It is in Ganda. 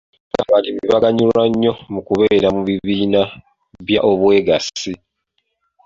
Abalimi baganyulwa nnyo mu kubeera mu bibiina by'obwegassi.